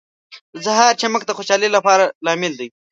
• د سهار چمک د خوشحالۍ لامل دی.